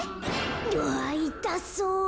うわっいたそう。